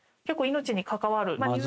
結構、命に関わる。